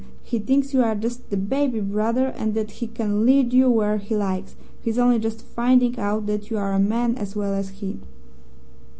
He thinks you are just the baby brother and that he can lead you where he likes. He's only just finding out that you are a man as well as he.'